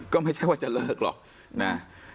ก็ไม่ใช่ว่าจะเลิกหรอกนะ